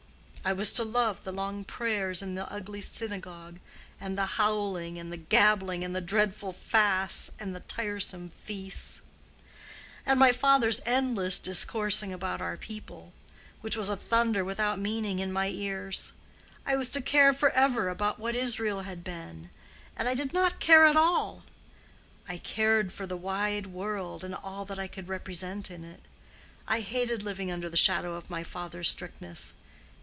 I was to love the long prayers in the ugly synagogue, and the howling, and the gabbling, and the dreadful fasts, and the tiresome feasts, and my father's endless discoursing about our people, which was a thunder without meaning in my ears. I was to care forever about what Israel had been; and I did not care at all. I cared for the wide world, and all that I could represent in it. I hated living under the shadow of my father's strictness.